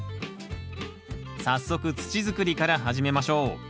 早速土づくりから始めましょう。